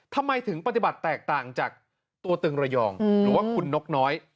ทำไมถึงปฏิบัติแตกต่างจากตัวตึงระยองหรือว่าคุณนกน้อย